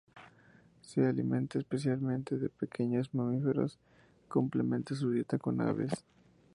Se alimenta especialmente de pequeños mamíferos; complementa su dieta con aves.